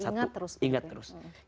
ingat terus gitu ya